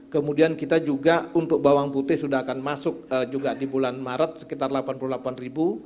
kemudian kita juga untuk bawang putih sudah akan masuk juga di bulan maret sekitar delapan puluh delapan ribu